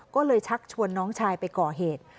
ก็เลยชักชวนน้องชายไปก่อเหตุ